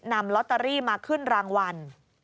นำลอตเตอรี่มาขึ้นรางวัล